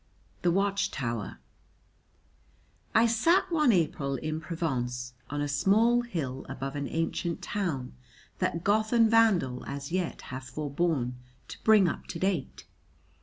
The Watch tower I sat one April in Provence on a small hill above an ancient town that Goth and Vandal as yet have forborne to "bring up to date."